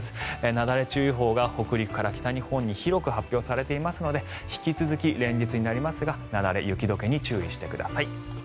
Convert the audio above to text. なだれ注意報が北陸から北日本に広く発表されていますので引き続き連日になりますが雪崩、雪解けに注意してください。